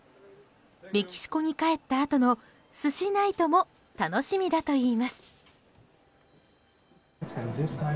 メキシコに帰ったあとの寿司ナイトも楽しみだといいます。